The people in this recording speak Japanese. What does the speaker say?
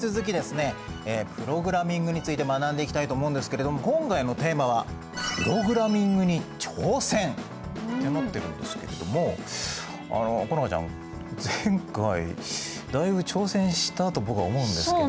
プログラミングについて学んでいきたいと思うんですけれど今回のテーマは「プログラミングに挑戦！」ってなってるんですけれどもあの好花ちゃん前回だいぶ挑戦したと僕は思うんですけれど。